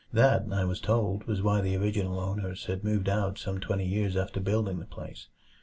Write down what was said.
That, I was told, was why the original owners had moved out some twenty years after building the place.